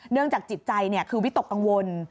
เนื่องจากจิตใจคือวิตกกังวล